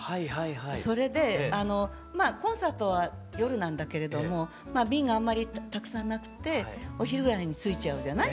それでコンサートは夜なんだけれども便があんまりたくさんなくってお昼ぐらいに着いちゃうじゃない？